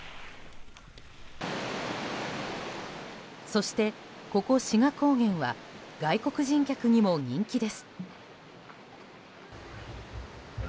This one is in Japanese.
そして、ここ志賀高原は外国人客にも人気です。